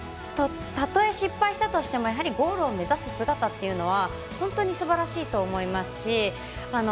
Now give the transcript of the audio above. たとえ失敗したとしてもゴールを目指す姿というのは本当にすばらしいと思いますし。